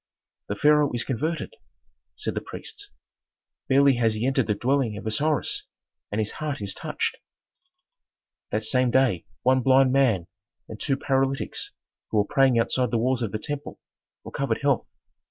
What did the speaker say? The pharaoh is converted!" said the priests. "Barely has he entered the dwelling of Osiris, and his heart is touched." That same day one blind man and two paralytics, who were praying outside the walls of the temple, recovered health.